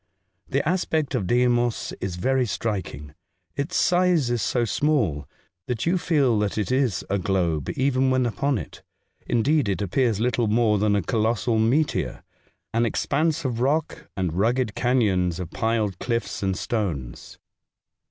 The aspect of Deimos is very striking. Its size is so small, that you feel that it is a globe even when upon it; indeed, it appears little more than a colossal meteor, an expanse of The Voyage Through Space, 157 rock and rugged canons of piled cliffs and stones.